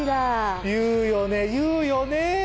言うよね言うよね！